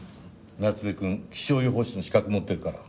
夏目くん気象予報士の資格持ってるから。